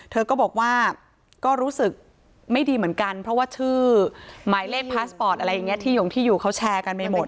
เธอก็บอกว่าก็รู้สึกไม่ดีเหมือนกันเพราะว่าชื่อหมายเลขพาสปอร์ตอะไรอย่างนี้ที่หงที่อยู่เขาแชร์กันไปหมด